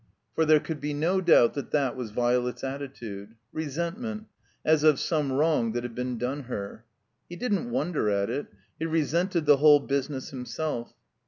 For there could be no doubt that that was Violet's attitude — resentment, as of some wrong that had been done her. He didn't wonder at it. He re sented the whole business himself.